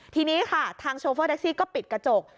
ทีนี้ค่ะทางโชเฟอร์แท็กซี่ก็ปิดกระจก